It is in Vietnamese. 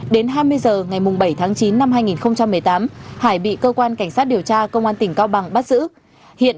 đến hai mươi h ngày bảy tháng chín năm hai nghìn một mươi tám hải bị cơ quan cảnh sát điều tra công an tỉnh cao bằng bắt giữ